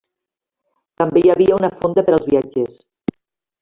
També hi havia una fonda per als viatgers.